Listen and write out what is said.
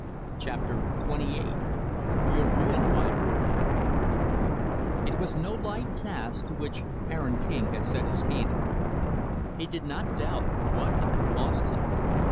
Chapter XXVIII You're Ruined, My Boy It was no light task to which Aaron King had set his hand. He did not doubt what it would cost him.